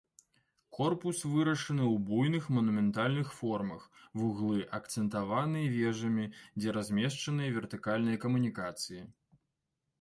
Корпус вырашаны ў буйных манументальных формах, вуглы акцэнтаваныя вежамі, дзе размешчаныя вертыкальныя камунікацыі.